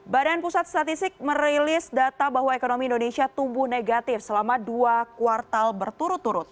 badan pusat statistik merilis data bahwa ekonomi indonesia tumbuh negatif selama dua kuartal berturut turut